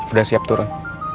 udah siap turun